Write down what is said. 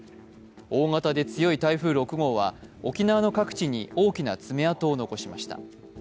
大型で強い台風６号は沖縄の各地に大きな爪痕を残しました。